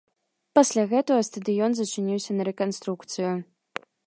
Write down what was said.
Пасля гэтага стадыён зачыніўся на рэканструкцыю.